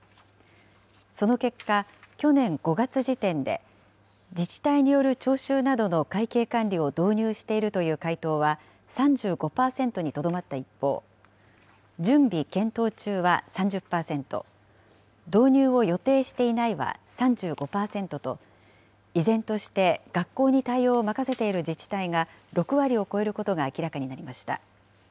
その結果、去年５月時点で、自治体による徴収などの会計管理を導入しているという回答は３５％にとどまった一方、準備・検討中は３０％、導入を予定していないは３５％と、依然として学校に対応を任せている自治体が６割を超えることが明らかになりました。